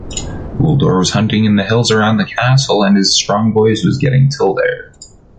Uldor was hunting in the hills around the castle and his strong voice was getting till there.